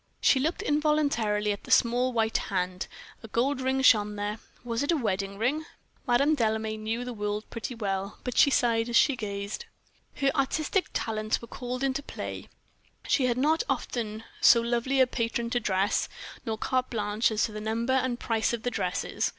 She looked involuntarily at the small white hand; a gold ring shone there was it a wedding ring? Madame Delame knew the world pretty well, but she sighed as she gazed. Her artistic talents were called into play; she had not often so lovely a patron to dress, nor carte blanche as to the number and price of the dresses.